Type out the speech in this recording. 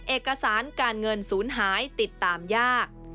เอกสารการเงินศูนย์หายติดตามยาก